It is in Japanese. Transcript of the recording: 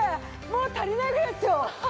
もう足りないぐらいですよ。